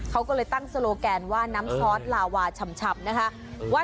เขาก็เลยตั้งโซโลแกนว่าน้ำซอสลาวาชำนะคะ